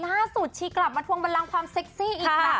ล่าสุดชีกกลับมาทวงบันรังความเซ็กซี่อีกนะ